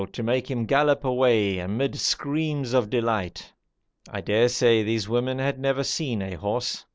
to make him gallop away, amid screams of delight. I dare say these women had never seen a horse.